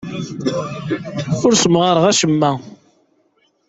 Ur ssemɣareɣ acemma.